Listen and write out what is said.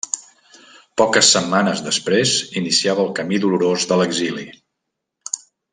Poques setmanes després iniciava el camí dolorós de l'exili.